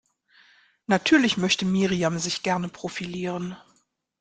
Natürlich möchte Miriam sich gerne profilieren.